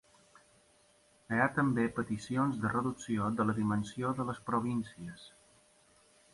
Hi ha també peticions de reducció de la dimensió de les províncies.